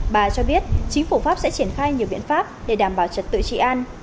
bà cho biết chính phủ pháp sẽ triển khai nhiều biện pháp để đảm bảo chất tự trị an nhân dịp lễ lớn của đất nước